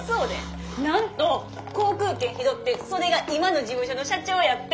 なんと航空券拾ってそれが今の事務所の社長やって。